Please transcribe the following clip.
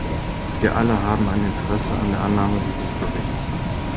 Wir alle haben ein Interesse an der Annahme dieses Berichts.